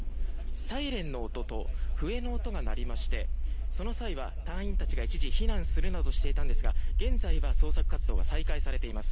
サイレンの音と笛の音が鳴りましてその際は隊員たちが一時避難するなどしていたんですが現在は捜索活動が再開されています。